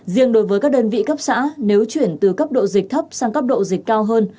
riêng đối với các đơn vị cấp xã nếu chuyển từ cấp độ dịch thấp sang cấp độ dịch cao hơn